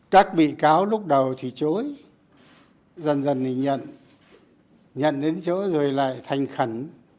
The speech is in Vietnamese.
các bị cáo lúc đầu thì chối dần dần thì nhận đến chỗ rồi lại thành khẩn